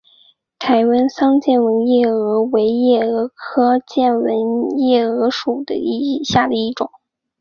台湾桑剑纹夜蛾为夜蛾科剑纹夜蛾属下的一个种。